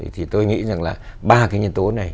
thì tôi nghĩ rằng là ba cái nhân tố này